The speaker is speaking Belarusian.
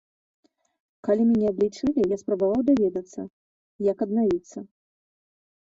Калі мяне адлічылі, я спрабаваў даведацца, як аднавіцца.